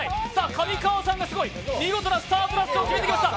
上川さんがすごい見事なスタートダッシュを決めてきました。